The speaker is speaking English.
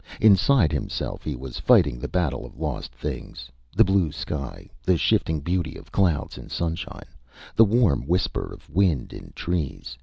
Inside himself, he was fighting the battle of lost things. The blue sky. The shifting beauty of clouds in sunshine. The warm whisper of wind in trees.